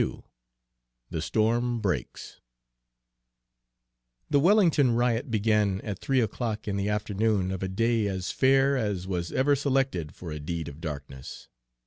XXXII THE STORM BREAKS The Wellington riot began at three o'clock in the afternoon of a day as fair as was ever selected for a deed of darkness.